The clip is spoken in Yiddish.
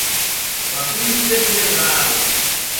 מיין פיס טוט מיר וויי